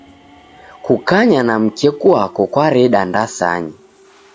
Kukanya na mkeku wako kwareda ndasanya.